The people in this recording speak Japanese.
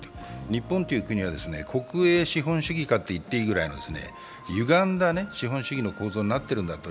日本という国は国営資本主義かと言っていいくらいのゆがんだ資本主義の構造になっているんだと。